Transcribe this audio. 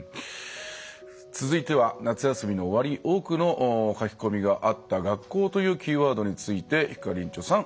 続いては夏休みの終わり多くの書き込みがあった学校というキーワードについてひかりんちょさん